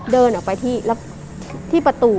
เดินออกไปที่ประตู